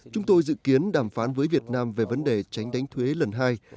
chúng tôi dự kiến đàm phán với việt nam về vấn đề tránh đánh thuế lần hai